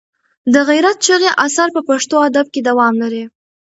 د غیرت چغې اثر په پښتو ادب کې دوام لري.